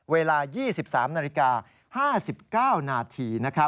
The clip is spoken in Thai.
เวลา๒๓นาฬิกา๕๙นาที